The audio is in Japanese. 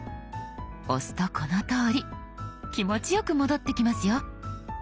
押すとこのとおり気持ちよく戻ってきますよ。